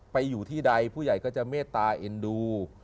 อยู่ที่ใดผู้ใหญ่ก็จะเมตตาเอ็นดู